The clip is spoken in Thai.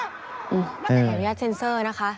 น้ำใดอนุญาตเชันเซอร์นะคะ